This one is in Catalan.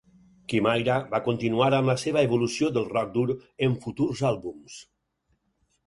Chimaira va continuar amb la seva evolució del rock dur en futurs àlbums.